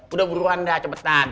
udah buruan dah cepetan